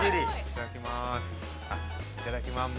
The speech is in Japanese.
いただきます。